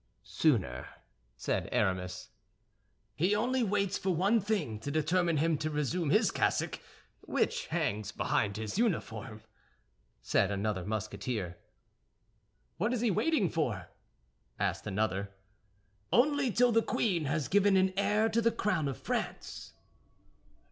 "Sooner," said Aramis. "He only waits for one thing to determine him to resume his cassock, which hangs behind his uniform," said another Musketeer. "What is he waiting for?" asked another. "Only till the queen has given an heir to the crown of France."